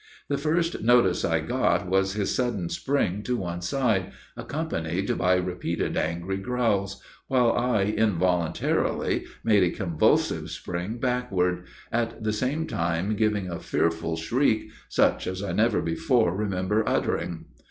The first notice I got was his sudden spring to one side, accompanied by repeated angry growls, while I involuntarily made a convulsive spring backward, at the same time giving a fearful shriek, such as I never before remember uttering.